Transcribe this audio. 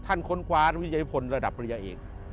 ท่านค้นคว้าวิทยาภิพลระดับปริยาเอก